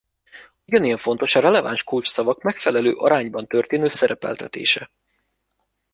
Ugyanilyen fontos a releváns kulcsszavak megfelelő arányban történő szerepeltetése.